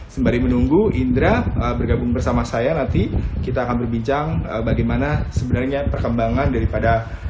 sembari menunggu indra bergabung bersama saya nanti kita akan berbincang bagaimana sebenarnya perkembangan daripada